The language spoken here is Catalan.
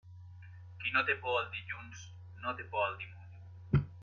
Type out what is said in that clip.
Qui no té por al dilluns, no té por al dimoni.